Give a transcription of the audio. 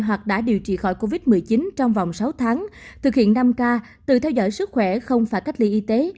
hoặc đã điều trị khỏi covid một mươi chín trong vòng sáu tháng thực hiện năm k từ theo dõi sức khỏe không phải cách ly y tế